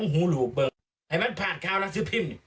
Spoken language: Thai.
ให้มันผ่านครัวรังสือพิมพ์